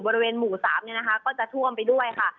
บริเวณหมู่๓เนี่ยนะคะก็จะท่วมไปด้วยค่ะ